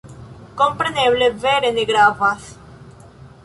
Kompreneble, vere ne gravas.